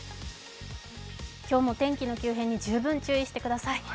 今日も天気の急変に十分に注意してください。